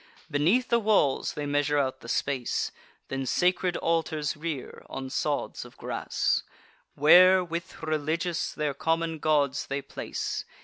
Beneath the walls they measure out the space; Then sacred altars rear, on sods of grass, Where, with religious rites their common gods they place.